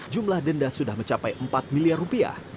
jumlah denda sudah mencapai empat miliar rupiah